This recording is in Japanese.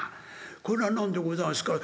これは何でござんすか。